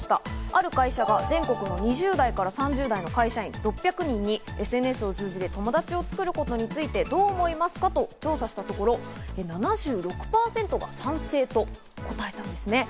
ある会社が全国の２０代から３０代の会社員６００人にＳＮＳを通じて友達を作ることについてどう思いますか？と調査したところ、７６％が賛成と答えたんですね。